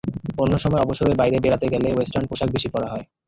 অন্য সময় অবসরে বাইরে বেড়াতে গেলে ওয়েস্টার্ন পোশাক বেশি পরা হয়।